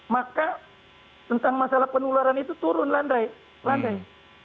maka tentang masalah penularan itu turun landai